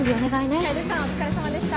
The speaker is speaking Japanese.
楓さんお疲れさまでした。